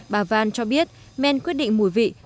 bà văn cho biết men quyết định mùi vị